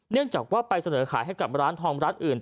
เนื่องจากว่าไปเสนอขายให้กับร้านทองร้านอื่น